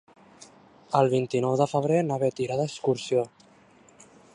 El vint-i-nou de febrer na Bet irà d'excursió.